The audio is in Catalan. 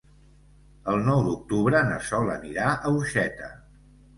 El nou d'octubre na Sol anirà a Orxeta.